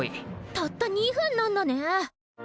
たった２分なんだね。